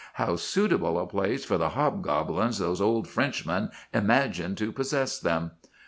How suitable a place for the hobgoblins those old Frenchmen imagined to possess them!